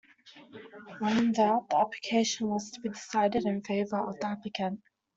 When in doubt, the application was to be decided in favour of the applicant.